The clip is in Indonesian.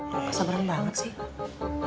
lo kesabaran banget sih